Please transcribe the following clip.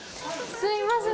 すいません。